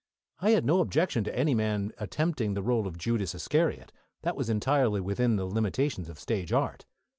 I had no objection to any man attempting the role of Judas Iscariot. That was entirely within the limitations of stage art.